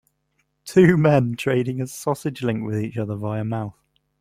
Two men trading a sausage link with each other via mouth.